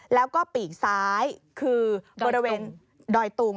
แล้วก็ปีกซ้ายคือบริเวณดอยตุง